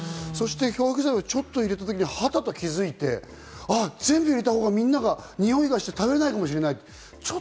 漂白剤をちょっと入れた時にはっと気づいて、全部入れたほうがみんながにおいがして食べれないかもしれない。